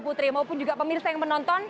putri maupun juga pemirsa yang menonton